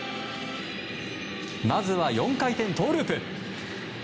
まずは４回転トウループ。